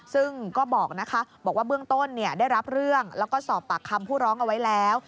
ซึ่งก็บอกนะคะบอกว่าเบื้องต้นได้รับเรื่องแล้วก็สอบปากคำผู้ร้องเอาไว้แล้ว